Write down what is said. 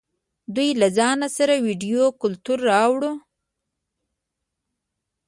دوی له ځان سره ویدي کلتور راوړ.